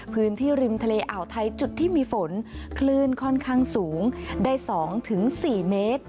พื้นที่ริมทะเลอ่าวไทยจุดที่มีฝนคลื่นค่อนข้างสูงได้๒๔เมตร